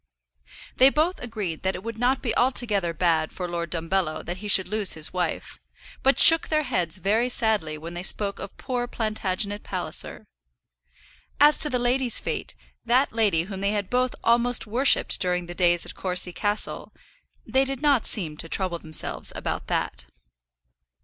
They both agreed that it would not be altogether bad for Lord Dumbello that he should lose his wife, but shook their heads very sadly when they spoke of poor Plantagenet Palliser. As to the lady's fate, that lady whom they had both almost worshipped during the days at Courcy Castle, they did not seem to trouble themselves about that.